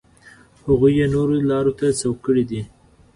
هغوی یې نورو لارو ته سوق کړي دي.